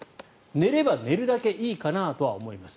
寝れば寝るだけいいかなとは思います